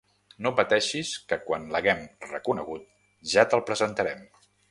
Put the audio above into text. No pateixis que quan l'haguem reconegut ja te'l presentarem.